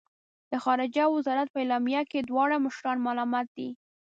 د خارجه وزارت په اعلامیه کې دواړه مشران ملامت دي.